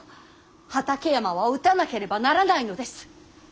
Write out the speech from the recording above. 畠山は討たなければならないのです。